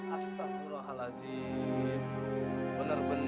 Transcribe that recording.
astagfirullahaladzim benar benar dainya